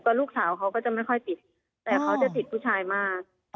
ลูกสาวเขาก็จะไม่ค่อยติดแต่เขาจะติดผู้ชายมาก